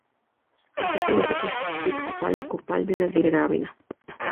Anteriormente fue sede episcopal de la Diócesis de Gravina.